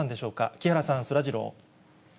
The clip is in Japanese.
木原さん、そらジロー。